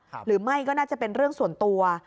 หรือไม่ก็น่าจะเป็นเรื่องส่วนตัว